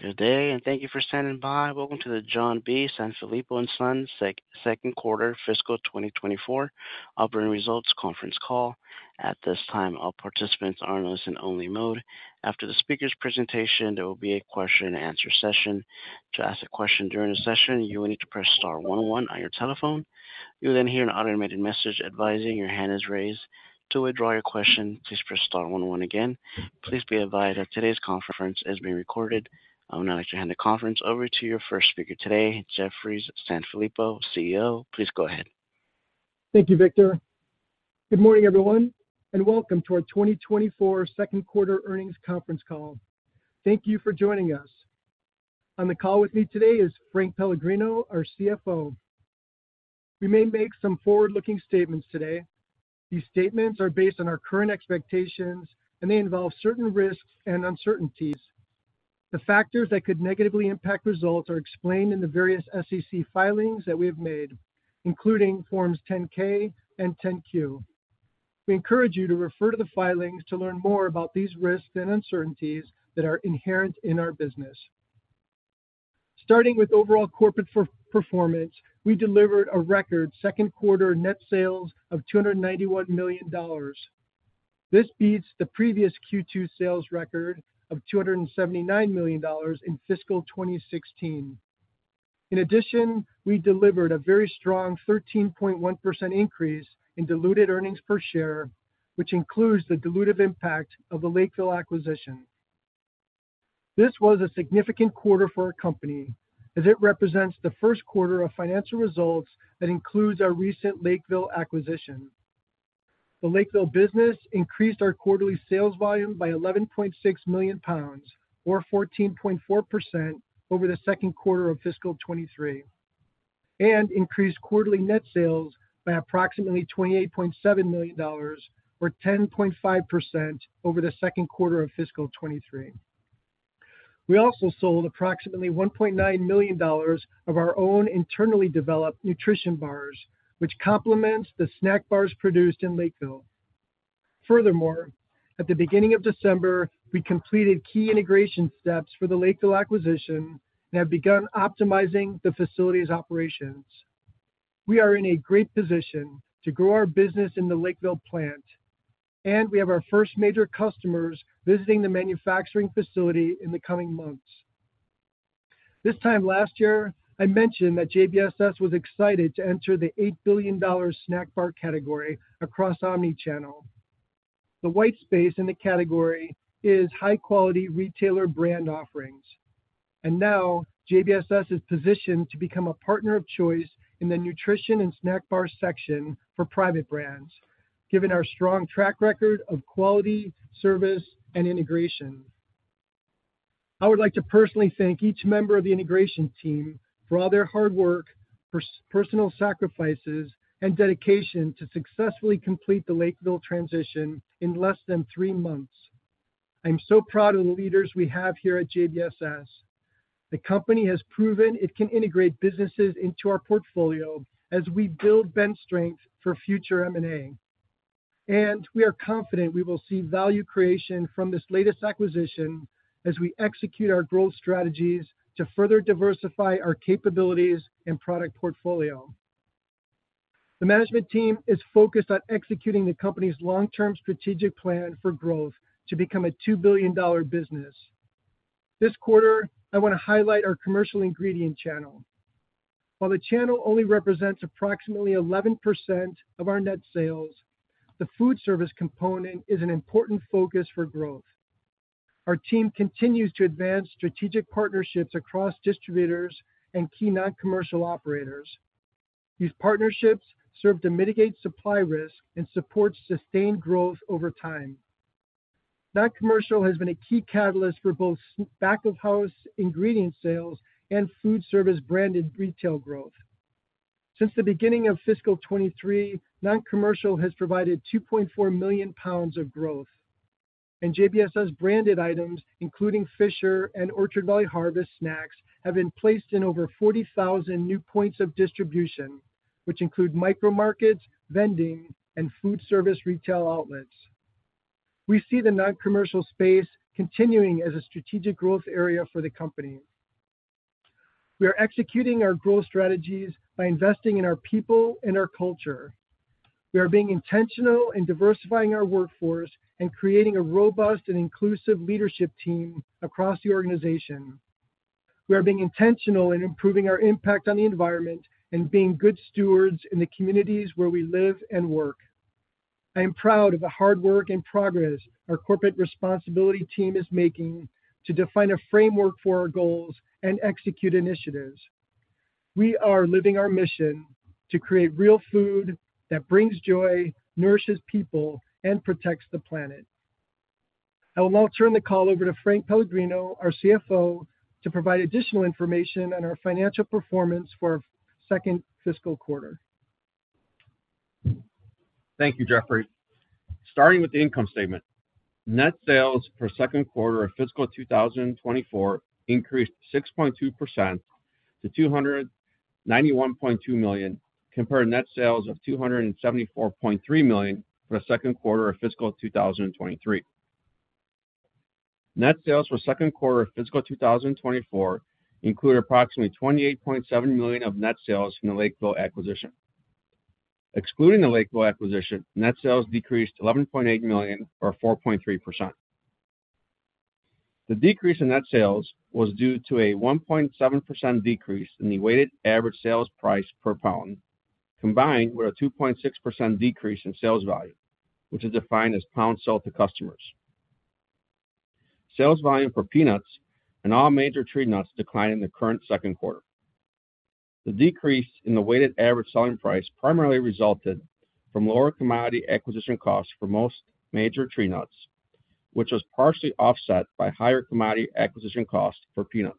Good day, and thank you for standing by. Welcome to the John B. Sanfilippo & Son Second Quarter Fiscal 2024 operating results conference call. At this time, all participants are in listen-only mode. After the speaker's presentation, there will be a question-and-answer session. To ask a question during the session, you will need to press star one one on your telephone. You'll then hear an automated message advising your hand is raised. To withdraw your question, please press star one one again. Please be advised that today's conference is being recorded. I'll now actually hand the conference over to your first speaker today, Jeffrey Sanfilippo, CEO. Please go ahead. Thank you, Victor. Good morning, everyone, and welcome to our 2024 second quarter earnings conference call. Thank you for joining us. On the call with me today is Frank Pellegrino, our CFO. We may make some forward-looking statements today. These statements are based on our current expectations, and they involve certain risks and uncertainties. The factors that could negatively impact results are explained in the various SEC filings that we have made, including Forms 10-K and 10-Q. We encourage you to refer to the filings to learn more about these risks and uncertainties that are inherent in our business. Starting with overall corporate performance, we delivered a record second quarter net sales of $291 million. This beats the previous Q2 sales record of $279 million in fiscal 2016. In addition, we delivered a very strong 13.1% increase in diluted earnings per share, which includes the dilutive impact of the Lakeville acquisition. This was a significant quarter for our company as it represents the first quarter of financial results that includes our recent Lakeville acquisition. The Lakeville business increased our quarterly sales volume by 11.6 million pounds, or 14.4% over the second quarter of fiscal 2023, and increased quarterly net sales by approximately $28.7 million or 10.5% over the second quarter of fiscal 2023. We also sold approximately $1.9 million of our own internally developed nutrition bars, which complements the snack bars produced in Lakeville. Furthermore, at the beginning of December, we completed key integration steps for the Lakeville acquisition and have begun optimizing the facility's operations. We are in a great position to grow our business in the Lakeville plant, and we have our first major customers visiting the manufacturing facility in the coming months. This time last year, I mentioned that JBSS was excited to enter the $8 billion snack bar category across omni-channel. The white space in the category is high-quality retailer brand offerings, and now JBSS is positioned to become a partner of choice in the nutrition and snack bar section for private brands, given our strong track record of quality, service, and integration. I would like to personally thank each member of the integration team for all their hard work, personal sacrifices, and dedication to successfully complete the Lakeville transition in less than three months. I'm so proud of the leaders we have here at JBSS. The company has proven it can integrate businesses into our portfolio as we build bench strength for future M&A. We are confident we will see value creation from this latest acquisition as we execute our growth strategies to further diversify our capabilities and product portfolio. The management team is focused on executing the company's long-term strategic plan for growth to become a $2 billion business. This quarter, I want to highlight our commercial ingredient channel. While the channel only represents approximately 11% of our net sales, the food service component is an important focus for growth. Our team continues to advance strategic partnerships across distributors and key non-commercial operators. These partnerships serve to mitigate supply risk and support sustained growth over time. Non-commercial has been a key catalyst for both back-of-house ingredient sales and food service branded retail growth. Since the beginning of fiscal 2023, non-commercial has provided 2.4 million lbs of growth, and JBSS branded items, including Fisher and Orchard Valley Harvest snacks, have been placed in over 40,000 new points of distribution, which include micro markets, vending, and food service retail outlets. We see the non-commercial space continuing as a strategic growth area for the company. We are executing our growth strategies by investing in our people and our culture. We are being intentional in diversifying our workforce and creating a robust and inclusive leadership team across the organization. We are being intentional in improving our impact on the environment and being good stewards in the communities where we live and work. I am proud of the hard work and progress our corporate responsibility team is making to define a framework for our goals and execute initiatives. We are living our mission to create real food that brings joy, nourishes people, and protects the planet. I will now turn the call over to Frank Pellegrino, our CFO, to provide additional information on our financial performance for our second fiscal quarter. Thank you, Jeffrey. Starting with the income statement, net sales for second quarter of fiscal 2024 increased 6.2%. to $291.2 million, compared to net sales of $274.3 million for the second quarter of fiscal 2023. Net sales for second quarter of fiscal 2024 include approximately $28.7 million of net sales from the Lakeville acquisition. Excluding the Lakeville acquisition, net sales decreased $11.8 million or 4.3%. The decrease in net sales was due to a 1.7% decrease in the weighted average sales price per pound, combined with a 2.6% decrease in sales volume, which is defined as pounds sold to customers. Sales volume for peanuts and all major tree nuts declined in the current second quarter. The decrease in the weighted average selling price primarily resulted from lower commodity acquisition costs for most major tree nuts, which was partially offset by higher commodity acquisition costs for peanuts.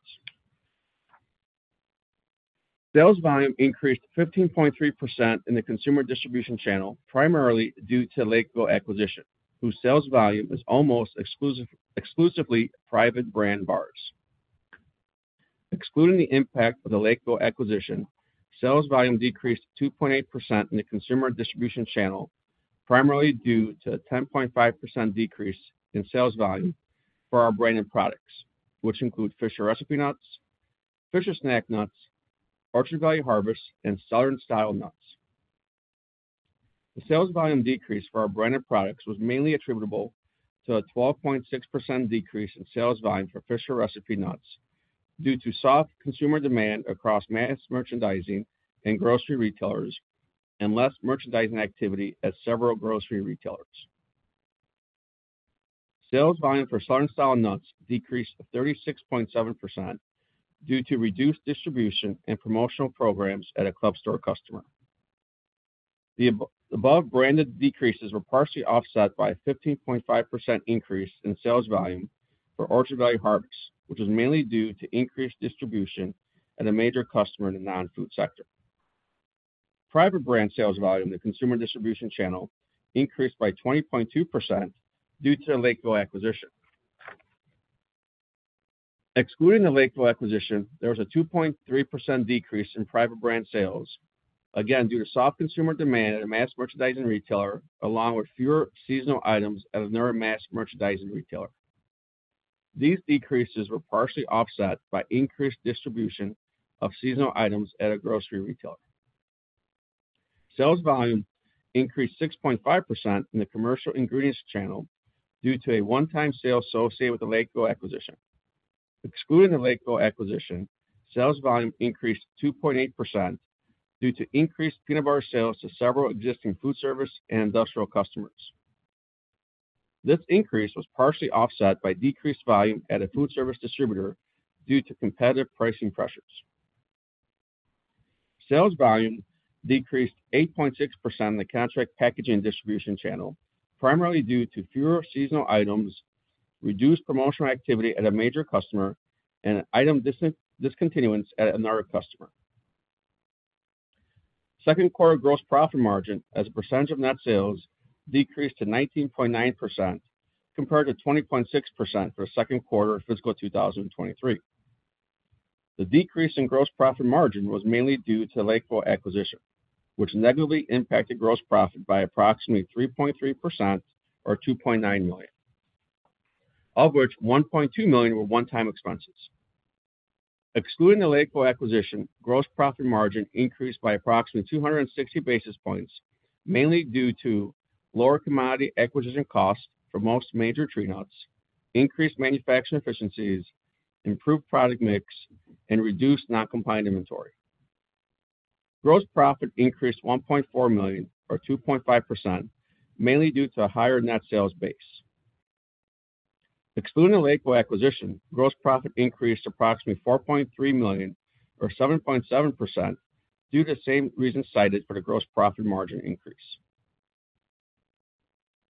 Sales volume increased 15.3% in the consumer distribution channel, primarily due to Lakeville acquisition, whose sales volume is almost exclusively private brand bars. Excluding the impact of the Lakeville acquisition, sales volume decreased to 2.8% in the consumer distribution channel, primarily due to a 10.5% decrease in sales volume for our branded products, which include Fisher recipe nuts, Fisher snack nuts, Orchard Valley Harvest, and Southern Style Nuts. The sales volume decrease for our branded products was mainly attributable to a 12.6% decrease in sales volume for Fisher recipe nuts due to soft consumer demand across mass merchandising and grocery retailers, and less merchandising activity at several grocery retailers. Sales volume for Southern Style Nuts decreased to 36.7% due to reduced distribution and promotional programs at a club store customer. The above branded decreases were partially offset by a 15.5% increase in sales volume for Orchard Valley Harvest, which was mainly due to increased distribution at a major customer in the non-food sector. Private brand sales volume in the consumer distribution channel increased by 20.2% due to the Lakeville acquisition. Excluding the Lakeville acquisition, there was a 2.3% decrease in private brand sales, again, due to soft consumer demand at a mass merchandising retailer, along with fewer seasonal items at another mass merchandising retailer. These decreases were partially offset by increased distribution of seasonal items at a grocery retailer. Sales volume increased 6.5% in the commercial ingredients channel due to a one-time sale associated with the Lakeville acquisition. Excluding the Lakeville acquisition, sales volume increased 2.8% due to increased peanut bar sales to several existing food service and industrial customers. This increase was partially offset by decreased volume at a food service distributor due to competitive pricing pressures. Sales volume decreased 8.6% in the contract packaging distribution channel, primarily due to fewer seasonal items, reduced promotional activity at a major customer and item discontinuance at another customer. Second quarter gross profit margin as a percentage of net sales decreased to 19.9%, compared to 20.6% for the second quarter of fiscal 2023. The decrease in gross profit margin was mainly due to Lakeville acquisition, which negatively impacted gross profit by approximately 3.3% or $2.9 million, of which $1.2 million were one-time expenses. Excluding the Lakeville acquisition, gross profit margin increased by approximately 260 basis points, mainly due to lower commodity acquisition costs for most major tree nuts, increased manufacturing efficiencies, improved product mix, and reduced non-compliant inventory. Gross profit increased $1.4 million, or 2.5%, mainly due to a higher net sales base. Excluding the Lakeville acquisition, gross profit increased approximately $4.3 million, or 7.7%, due to the same reasons cited for the gross profit margin increase.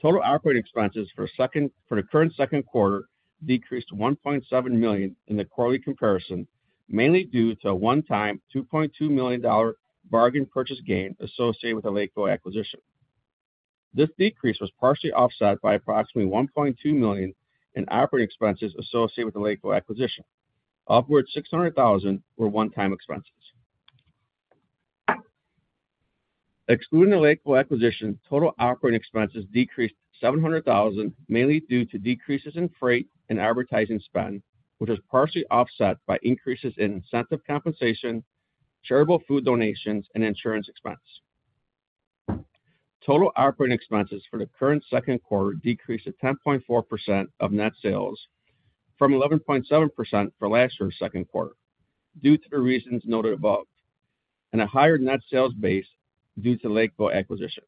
Total operating expenses for the current second quarter decreased to $1.7 million in the quarterly comparison, mainly due to a one-time $2.2 million bargain purchase gain associated with the Lakeville acquisition. This decrease was partially offset by approximately $1.2 million in operating expenses associated with the Lakeville acquisition. Of which, $600,000 were one-time expenses. Excluding the Lakeville acquisition, total operating expenses decreased $700,000, mainly due to decreases in freight and advertising spend, which was partially offset by increases in incentive compensation, charitable food donations, and insurance expense. Total operating expenses for the current second quarter decreased to 10.4% of net sales from 11.7% for last year's second quarter, due to the reasons noted above, and a higher net sales base due to Lakeville acquisition.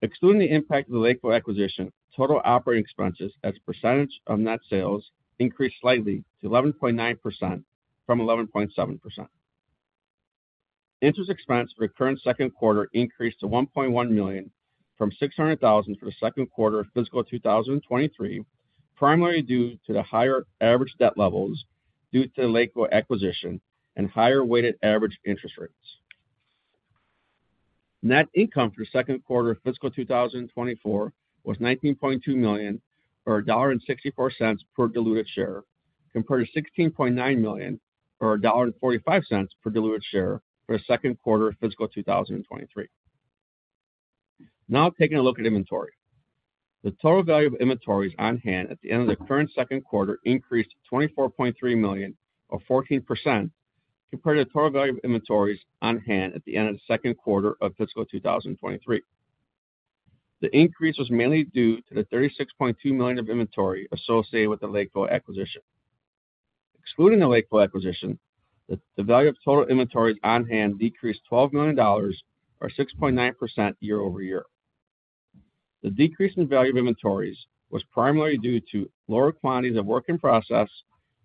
Excluding the impact of the Lakeville acquisition, total operating expenses as a percentage of net sales increased slightly to 11.9% from 11.7%. Interest expense for the current second quarter increased to $1.1 million from $600,000 for the second quarter of fiscal 2023, primarily due to the higher average debt levels due to the Lakeville acquisition and higher weighted average interest rates. Net income for the second quarter of fiscal 2024 was $19.2 million, or $1.64 per diluted share, compared to $16.9 million, or $1.45 per diluted share for the second quarter of fiscal 2023. Now taking a look at inventory. The total value of inventories on hand at the end of the current second quarter increased to $24.3 million, or 14%, compared to the total value of inventories on hand at the end of the second quarter of fiscal 2023. The increase was mainly due to the $36.2 million of inventory associated with the Lakeville acquisition. Excluding the Lakeville acquisition, the value of total inventories on hand decreased $12 million, or 6.9% year-over-year. The decrease in value of inventories was primarily due to lower quantities of work in process,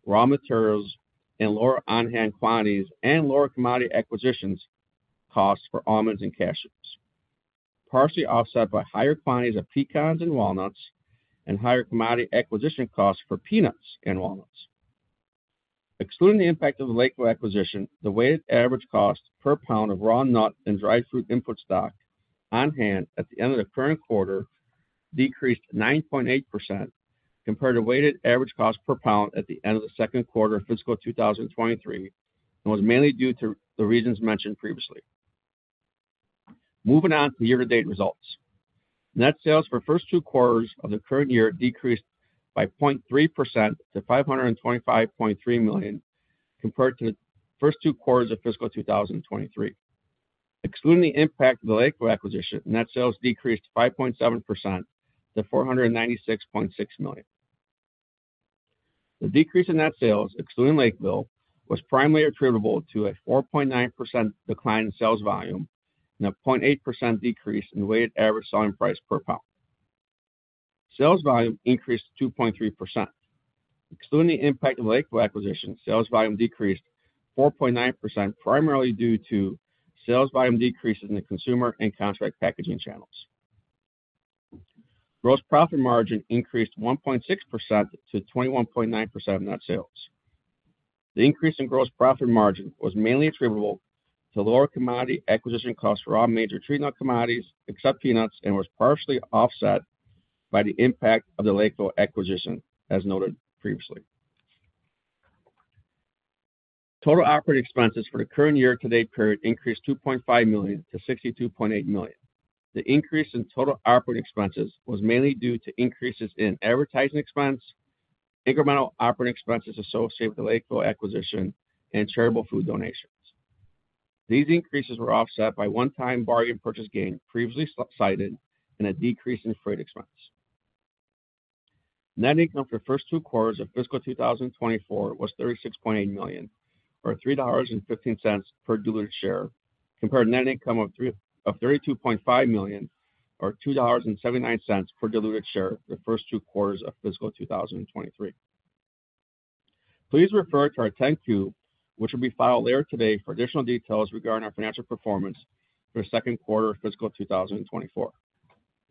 raw materials, and lower on-hand quantities, and lower commodity acquisition costs for almonds and cashews. Partially offset by higher quantities of pecans and walnuts, and higher commodity acquisition costs for peanuts and walnuts. Excluding the impact of the Lakeville acquisition, the weighted average cost per pound of raw nut and dried fruit input stock on hand at the end of the current quarter decreased 9.8% compared to weighted average cost per pound at the end of the second quarter of fiscal 2023, and was mainly due to the reasons mentioned previously. Moving on to year-to-date results. Net sales for first two quarters of the current year decreased by 0.3% to $525.3 million, compared to the first two quarters of fiscal 2023. Excluding the impact of the Lakeville acquisition, net sales decreased 5.7% to $496.6 million. The decrease in net sales, excluding Lakeville, was primarily attributable to a 4.9% decline in sales volume and a 0.8% decrease in weighted average selling price per pound. Sales volume increased 2.3%. Excluding the impact of the Lakeville acquisition, sales volume decreased 4.9%, primarily due to sales volume decreases in the consumer and contract packaging channels. Gross profit margin increased 1.6% to 21.9% of net sales. The increase in gross profit margin was mainly attributable to lower commodity acquisition costs for all major tree nut commodities, except peanuts, and was partially offset by the impact of the Lakeville acquisition, as noted previously. Total operating expenses for the current year-to-date period increased $2.5 million to $62.8 million. The increase in total operating expenses was mainly due to increases in advertising expense, incremental operating expenses associated with the Lakeville acquisition, and charitable food donations. These increases were offset by one-time bargain purchase gain previously cited and a decrease in freight expense. Net income for the first two quarters of fiscal 2024 was $36.8 million, or $3.15 per diluted share, compared to net income of $32.5 million, or $2.79 per diluted share, the first two quarters of fiscal 2023. Please refer to our 10-Q, which will be filed later today, for additional details regarding our financial performance for the second quarter of fiscal 2024.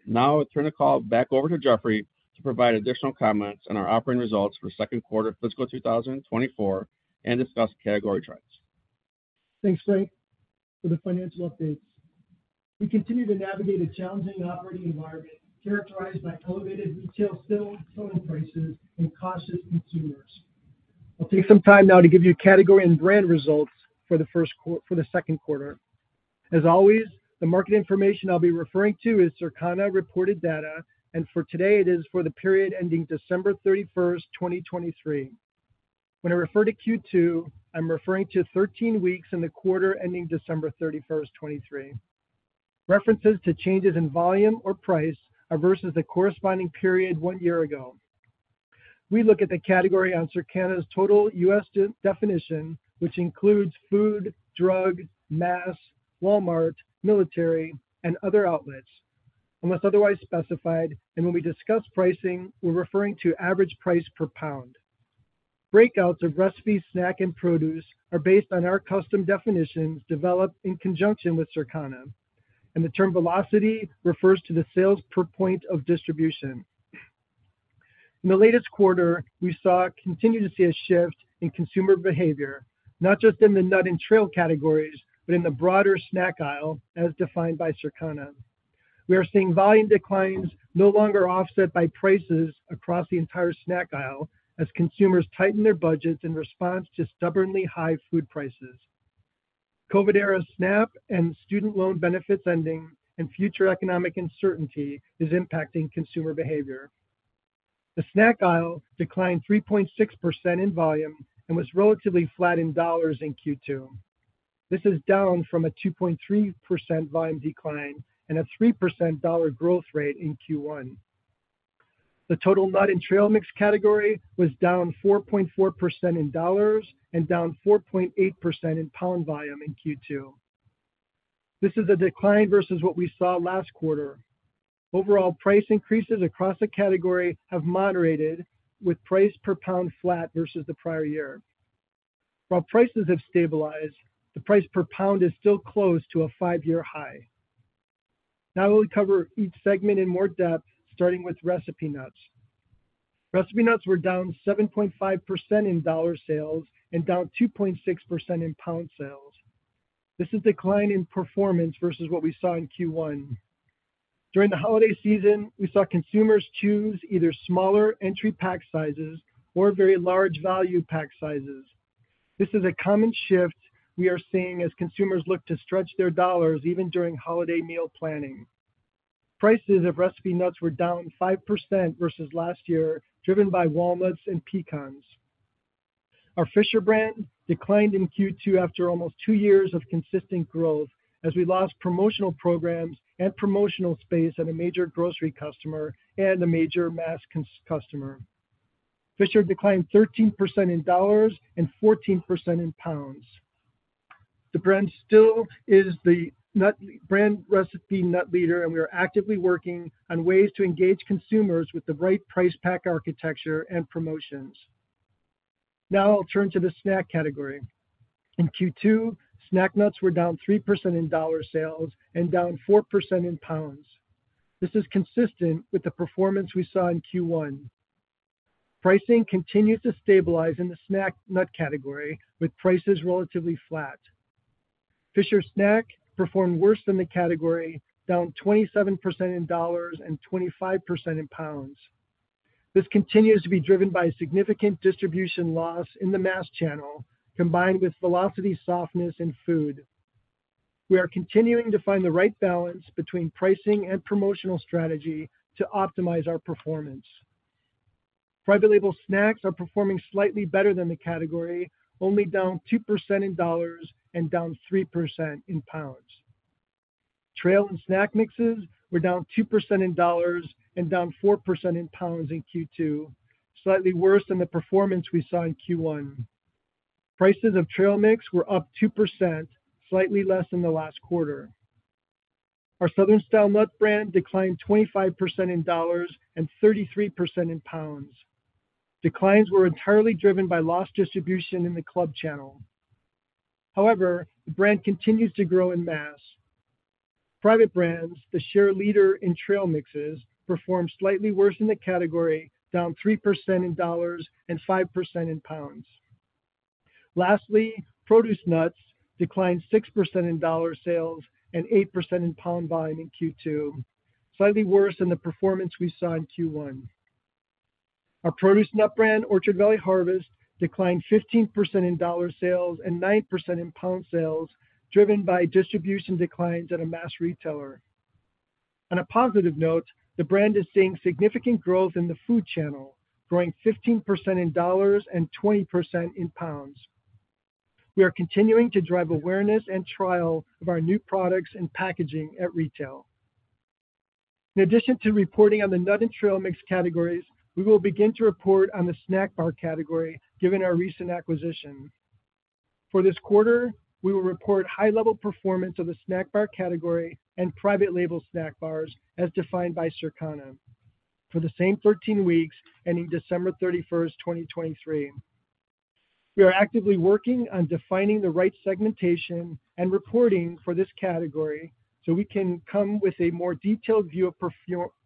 Now I turn the call back over to Jeffrey to provide additional comments on our operating results for the second quarter of fiscal 2024 and discuss category trends. Thanks, Frank, for the financial updates. We continue to navigate a challenging operating environment characterized by elevated retail sales, selling prices, and cautious consumers. I'll take some time now to give you category and brand results for the second quarter. As always, the market information I'll be referring to is Circana reported data, and for today, it is for the period ending December 31st, 2023. When I refer to Q2, I'm referring to 13 weeks in the quarter ending December 31st, 2023. References to changes in volume or price are versus the corresponding period one year ago. We look at the category on Circana's total U.S. definition, which includes food, drug, mass, Walmart, military, and other outlets, unless otherwise specified. And when we discuss pricing, we're referring to average price per pound. Breakouts of recipe, snack, and produce are based on our custom definitions developed in conjunction with Circana, and the term velocity refers to the sales per point of distribution. In the latest quarter, we continue to see a shift in consumer behavior, not just in the nut and trail categories, but in the broader snack aisle, as defined by Circana. We are seeing volume declines no longer offset by prices across the entire snack aisle as consumers tighten their budgets in response to stubbornly high food prices. COVID-era SNAP and student loan benefits ending and future economic uncertainty is impacting consumer behavior. The snack aisle declined 3.6% in volume and was relatively flat in dollars in Q2. This is down from a 2.3% volume decline and a 3% dollar growth rate in Q1. The total nut and trail mix category was down 4.4% in dollars and down 4.8% in pound volume in Q2. This is a decline versus what we saw last quarter. Overall, price increases across the category have moderated, with price per pound flat versus the prior year. While prices have stabilized, the price per pound is still close to a five-year high. Now we'll cover each segment in more depth, starting with recipe nuts. Recipe nuts were down 7.5% in dollar sales and down 2.6% in pound sales. This is a decline in performance versus what we saw in Q1. During the holiday season, we saw consumers choose either smaller entry pack sizes or very large value pack sizes. This is a common shift we are seeing as consumers look to stretch their dollars even during holiday meal planning. Prices of recipe nuts were down 5% versus last year, driven by walnuts and pecans. Our Fisher brand declined in Q2 after almost two years of consistent growth, as we lost promotional programs and promotional space at a major grocery customer and a major mass customer. Fisher declined 13% in dollars and 14% in pounds. The brand still is the nut brand recipe nut leader, and we are actively working on ways to engage consumers with the right price pack, architecture, and promotions. Now I'll turn to the snack category. In Q2, snack nuts were down 3% in dollar sales and down 4% in pounds. This is consistent with the performance we saw in Q1. Pricing continued to stabilize in the snack nut category, with prices relatively flat. Fisher Snack performed worse than the category, down 27% in dollars and 25% in pounds. This continues to be driven by significant distribution loss in the mass channel, combined with velocity softness in food. We are continuing to find the right balance between pricing and promotional strategy to optimize our performance. Private label snacks are performing slightly better than the category, only down 2% in dollars and down 3% in pounds. Trail and snack mixes were down 2% in dollars and down 4% in pounds in Q2, slightly worse than the performance we saw in Q1. Prices of trail mix were up 2%, slightly less than the last quarter. Our Southern Style Nuts brand declined 25% in dollars and 33% in pounds. Declines were entirely driven by lost distribution in the club channel. However, the brand continues to grow in mass. Private brands, the share leader in trail mixes, performed slightly worse in the category, down 3% in dollars and 5% in pounds. Lastly, produce nuts declined 6% in dollar sales and 8% in pound volume in Q2, slightly worse than the performance we saw in Q1. Our produce nut brand, Orchard Valley Harvest, declined 15% in dollar sales and 9% in pound sales, driven by distribution declines at a mass retailer. On a positive note, the brand is seeing significant growth in the food channel, growing 15% in dollars and 20% in pounds. We are continuing to drive awareness and trial of our new products and packaging at retail. In addition to reporting on the nut and trail mix categories, we will begin to report on the snack bar category, given our recent acquisition. For this quarter, we will report high-level performance of the snack bar category and private label snack bars, as defined by Circana, for the same 13 weeks, ending December 31st, 2023. We are actively working on defining the right segmentation and reporting for this category so we can come with a more detailed view of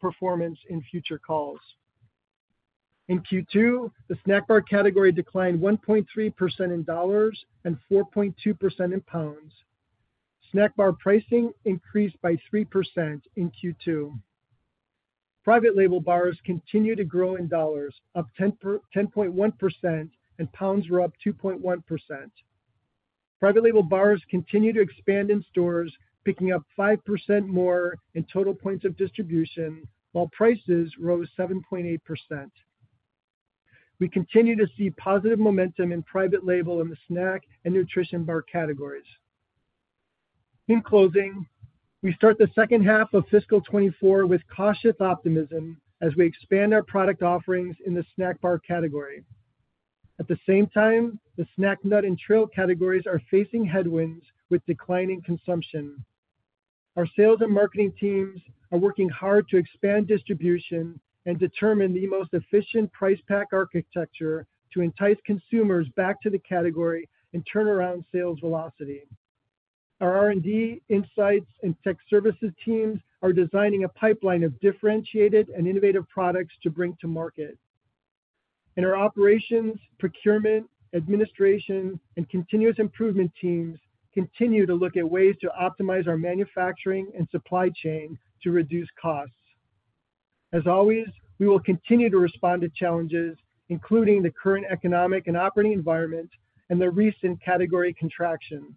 performance in future calls. In Q2, the snack bar category declined 1.3% in dollars and 4.2% in pounds. Snack bar pricing increased by 3% in Q2. Private label bars continue to grow in dollars, up 10.1%, and pounds were up 2.1%. Private label bars continue to expand in stores, picking up 5% more in total points of distribution, while prices rose 7.8%. We continue to see positive momentum in private label in the snack and nutrition bar categories. In closing, we start the second half of fiscal 2024 with cautious optimism as we expand our product offerings in the snack bar category. At the same time, the snack nut and trail categories are facing headwinds with declining consumption. Our sales and marketing teams are working hard to expand distribution and determine the most efficient price pack architecture to entice consumers back to the category and turn around sales velocity. Our R&D, insights, and tech services teams are designing a pipeline of differentiated and innovative products to bring to market. Our operations, procurement, administration, and continuous improvement teams continue to look at ways to optimize our manufacturing and supply chain to reduce costs. As always, we will continue to respond to challenges, including the current economic and operating environment and the recent category contraction.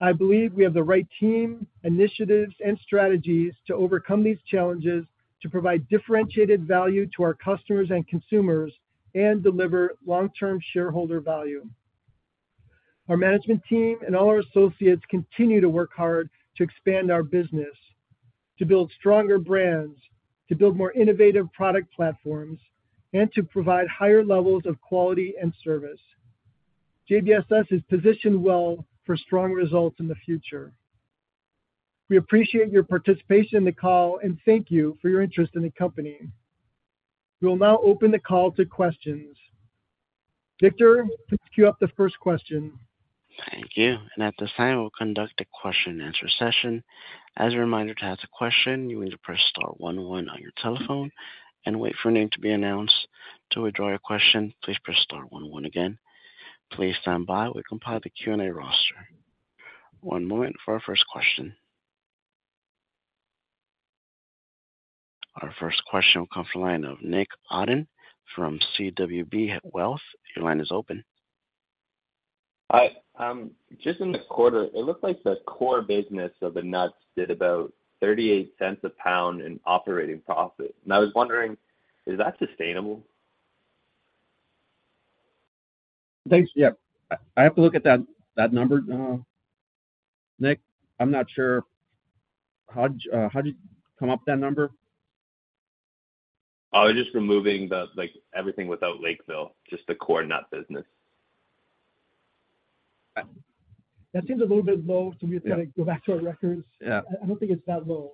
I believe we have the right team, initiatives, and strategies to overcome these challenges to provide differentiated value to our customers and consumers and deliver long-term shareholder value. Our management team and all our associates continue to work hard to expand our business, to build stronger brands, to build more innovative product platforms, and to provide higher levels of quality and service. JBSS is positioned well for strong results in the future. We appreciate your participation in the call, and thank you for your interest in the company. We will now open the call to questions. Victor, queue up the first question. Thank you. At this time, we'll conduct a question and answer session. As a reminder, to ask a question, you need to press star one one on your telephone and wait for your name to be announced. To withdraw your question, please press star one one again. Please stand by, we compile the Q&A roster. One moment for our first question. Our first question will come from the line of Nick Otton from CWB Wealth. Your line is open. Hi, just in the quarter, it looked like the core business of the nuts did about $0.38 a pound in operating profit. And I was wondering, is that sustainable? Thanks. Yeah, I have to look at that, that number, Nick, I'm not sure. How did you, how did you come up with that number? I was just removing the, like, everything without Lakeville, just the core nut business. That seems a little bit low, so we just got to go back to our records. Yeah. I don't think it's that low.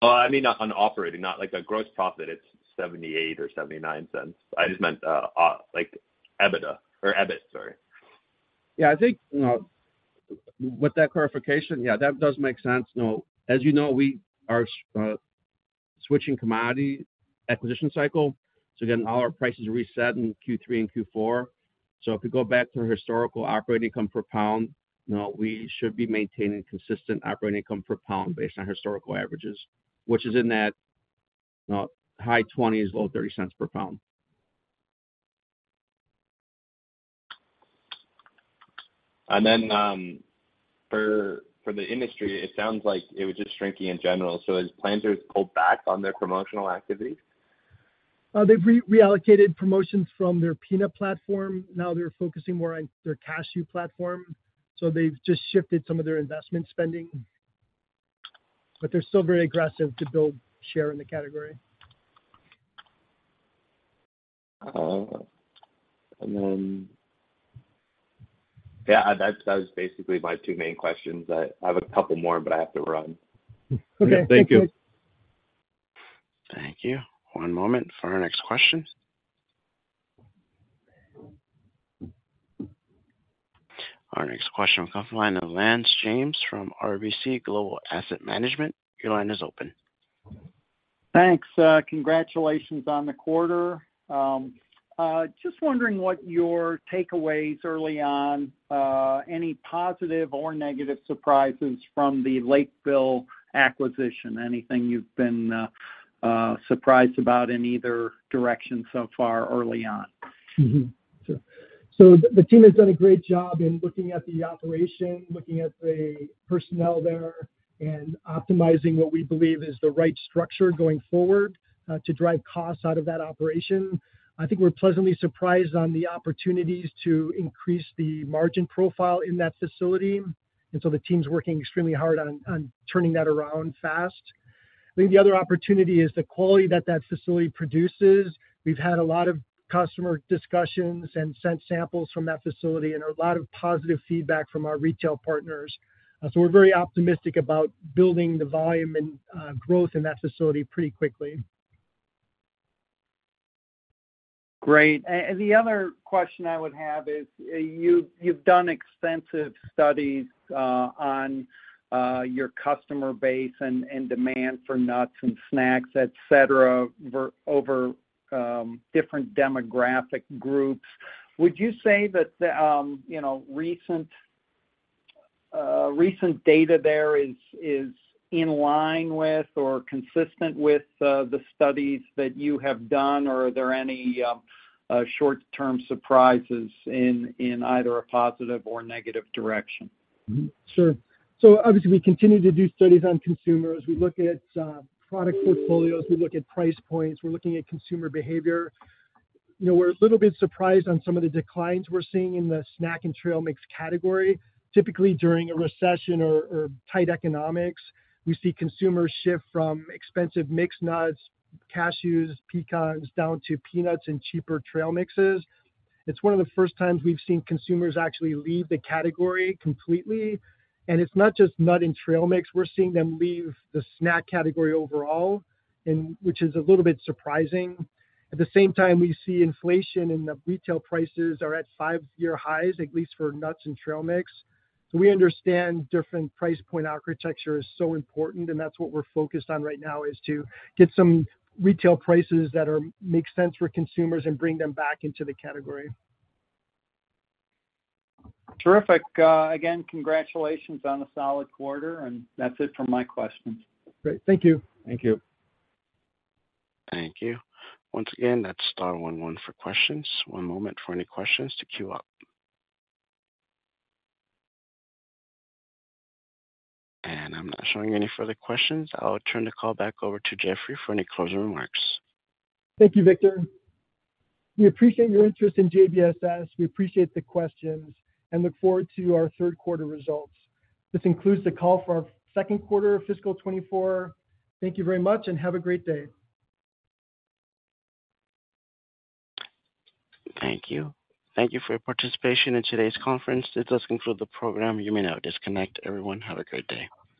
Well, I mean, on operating, not like the gross profit, it's $0.78 or $0.79. I just meant, like, EBITDA or EBIT, sorry. Yeah, I think, you know, with that clarification, yeah, that does make sense. You know, as you know, we are switching commodity acquisition cycle, so again, all our prices are reset in Q3 and Q4. So if you go back to the historical operating income per pound, you know, we should be maintaining consistent operating income per pound based on historical averages, which is in that high $0.20s, low $0.30s per pound. And then, for the industry, it sounds like it was just shrinking in general. So as Planters pulled back on their promotional activities? They reallocated promotions from their peanut platform. Now they're focusing more on their cashew platform, so they've just shifted some of their investment spending, but they're still very aggressive to build share in the category. and then... Yeah, that, that was basically my two main questions. I, I have a couple more, but I have to run. Okay. Thank you. Thank you. One moment for our next question. Our next question will come from the line of Lance James from RBC Global Asset Management. Your line is open. Thanks. Congratulations on the quarter. Just wondering what your takeaways early on, any positive or negative surprises from the Lakeville acquisition, anything you've been surprised about in either direction so far early on? Mm-hmm. Sure. So the team has done a great job in looking at the operation, looking at the personnel there, and optimizing what we believe is the right structure going forward, to drive costs out of that operation. I think we're pleasantly surprised on the opportunities to increase the margin profile in that facility, and so the team's working extremely hard on turning that around fast. I think the other opportunity is the quality that that facility produces. We've had a lot of customer discussions and sent samples from that facility, and a lot of positive feedback from our retail partners. So we're very optimistic about building the volume and growth in that facility pretty quickly. Great. And the other question I would have is, you've done extensive studies on your customer base and demand for nuts and snacks, et cetera, over different demographic groups. Would you say that the recent data there is in line with or consistent with the studies that you have done, or are there any short-term surprises in either a positive or negative direction? Mm-hmm. Sure. So obviously, we continue to do studies on consumers. We look at, product portfolios, we look at price points, we're looking at consumer behavior. You know, we're a little bit surprised on some of the declines we're seeing in the snack and trail mix category. Typically, during a recession or tight economics, we see consumers shift from expensive mixed nuts, cashews, pecans, down to peanuts and cheaper trail mixes. It's one of the first times we've seen consumers actually leave the category completely, and it's not just nut and trail mix. We're seeing them leave the snack category overall, and which is a little bit surprising. At the same time, we see inflation and the retail prices are at five-year highs, at least for nuts and trail mix. We understand different price point architecture is so important, and that's what we're focused on right now, is to get some retail prices that make sense for consumers and bring them back into the category. Terrific. Again, congratulations on a solid quarter, and that's it for my questions. Great. Thank you. Thank you. Thank you. Once again, that's star one one for questions. One moment for any questions to queue up. And I'm not showing any further questions. I'll turn the call back over to Jeffrey for any closing remarks. Thank you, Victor. We appreciate your interest in JBSS. We appreciate the questions and look forward to our third quarter results. This concludes the call for our second quarter of fiscal 2024. Thank you very much and have a great day. Thank you. Thank you for your participation in today's conference. This does conclude the program. You may now disconnect. Everyone, have a great day.